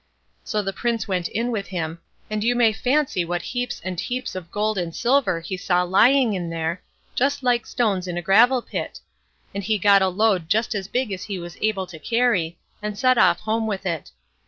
So the Prince went in with him, and you may fancy what heaps and heaps of gold and silver he saw lying in there, just like stones in a gravel pit; and he got a load just as big as he was able to carry, and set off home with it.